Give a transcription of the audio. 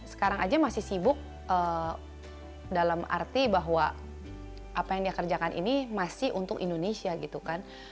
sekarang aja masih sibuk dalam arti bahwa apa yang dia kerjakan ini masih untuk indonesia gitu kan